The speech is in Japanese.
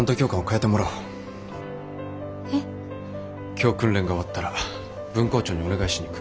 今日訓練が終わったら分校長にお願いしに行く。